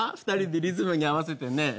２人でリズムに合わせてね。